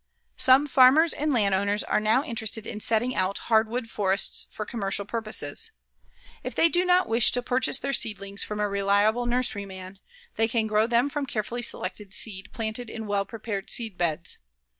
Some farmers and land owners are now interested in setting out hardwood forests for commercial purposes. If they do not wish to purchase their seedlings from a reliable nursery man, they can grow them from carefully selected seed planted in well prepared seedbeds.